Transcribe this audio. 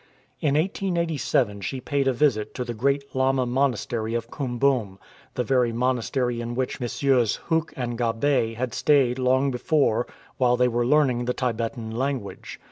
In 1887 she paid a visit to the great Lama monastery of Kum bum, the very monastery in which MM. Hue and Gabet had stayed long before while they were learning the Tibetan language.